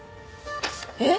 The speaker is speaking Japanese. えっ！？